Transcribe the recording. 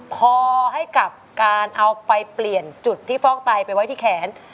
คอให้กับการเอาไปเปลี่ยนจุดที่ฟอกไตไปไว้ที่แขน